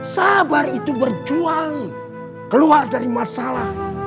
sabar itu berjuang keluar dari masalah